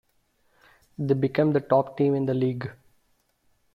They became the top team in the league.